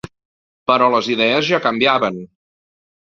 Però les idees ja canviaven.